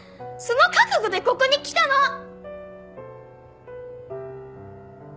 その覚悟でここに来たの！